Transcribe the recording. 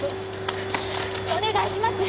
お願いします！